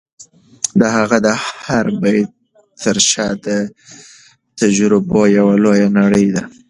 د هغه د هر بیت تر شا د تجربو یوه لویه نړۍ ده.